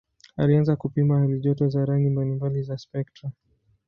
Alianza kupima halijoto za rangi mbalimbali za spektra.